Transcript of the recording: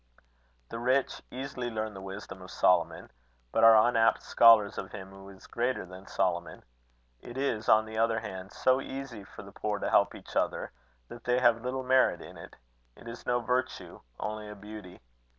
The rich easily learn the wisdom of Solomon, but are unapt scholars of him who is greater than Solomon. It is, on the other hand, so easy for the poor to help each other, that they have little merit in it: it is no virtue only a beauty.